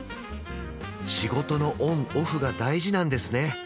仕事のオンオフが大事なんですね！